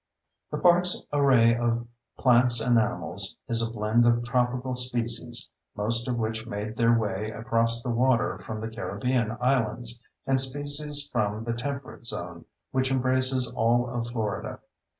The park's array of plants and animals is a blend of tropical species, most of which made their way across the water from the Caribbean islands, and species from the Temperate Zone, which embraces all of Florida.